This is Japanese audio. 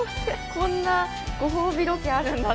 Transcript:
こんなご褒美ロケあるんだ。